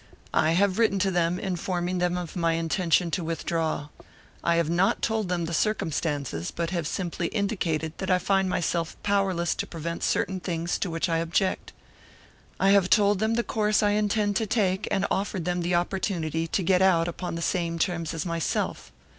"I have written to them, informing them of my intention to withdraw. I have not told them the circumstances, but have simply indicated that I find myself powerless to prevent certain things to which I object. I have told them the course I intend to take, and offered them the opportunity to get out upon the same terms as myself.